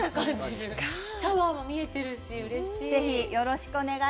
タワーも見えてるし、うれしい。